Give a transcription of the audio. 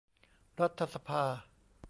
รัฐสภา